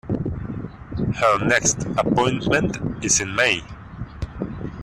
Her next appointment is in May.